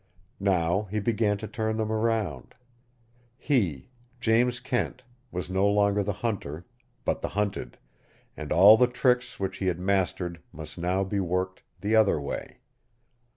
Now he began to turn them around. He, James Kent, was no longer the hunter, but the hunted, and all the tricks which he had mastered must now be worked the other way.